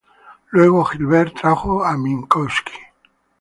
Luego, Hilbert trajo a Minkowski.